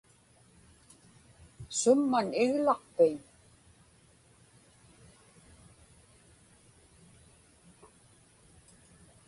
Summan iglaqpiñ?